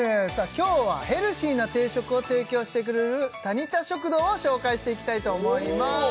今日はヘルシーな定食を提供してくれるタニタ食堂を紹介していきたいと思います